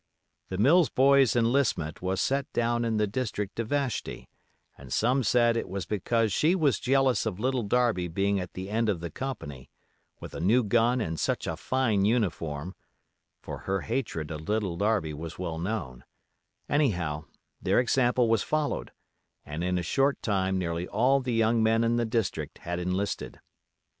The Mills boys' enlistment was set down in the district to Vashti, and some said it was because she was jealous of Little Darby being at the end of the company, with a new gun and such a fine uniform; for her hatred of Little Darby was well known; anyhow, their example was followed, and in a short time nearly all the young men in the district had enlisted.